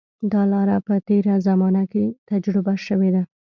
دا لاره په تېره زمانه کې تجربه شوې ده.